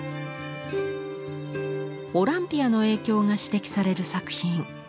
「オランピア」の影響が指摘される作品。